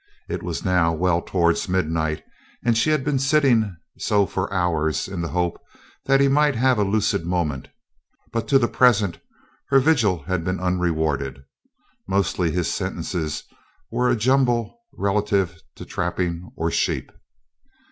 It was now well towards midnight and she had been sitting so for hours in the hope that he might have a lucid moment, but to the present her vigil had been unrewarded. Mostly his sentences were a jumble relative to trapping or sheep.